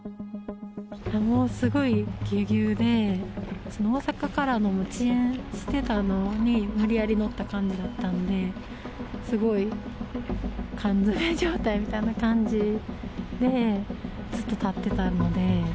もうすごいぎゅーぎゅーで、大阪からも遅延してたのに無理やり乗った感じだったんで、すごい缶詰め状態みたいな感じで、ずっと立ってたので。